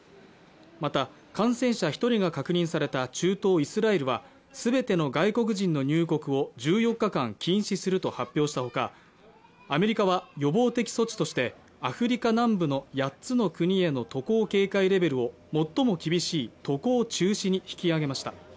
また感染者１人が確認された中東イスラエルは全ての外国人の入国を１４日間禁止すると発表したほかアメリカは予防的措置としてアフリカ南部の８つの国への渡航警戒レベルを最も厳しい渡航中止に引き上げました。